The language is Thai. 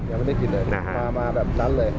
ยังไม่ได้กินเลยมาแบบนั้นเลย